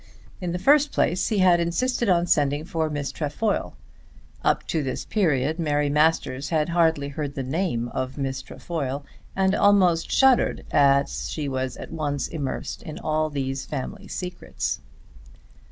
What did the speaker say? In the first place he had insisted on sending for Miss Trefoil. Up to this period Mary Masters had hardly heard the name of Miss Trefoil, and almost shuddered as she was at once immersed in all these family secrets.